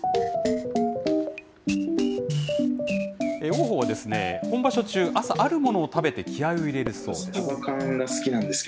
王鵬は、本場所中、朝あるものを食べて気合いを入れるそうです。